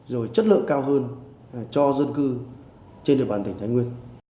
rồi chất lượng cao hơn cho dân cư trên địa bàn tỉnh thái nguyên